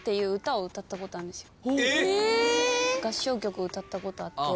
合唱曲歌ったことあって。